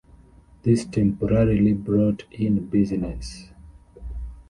This temporarily brought in business.